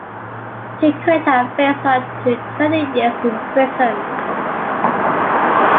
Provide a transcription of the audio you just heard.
He could have faced up to twenty years in prison.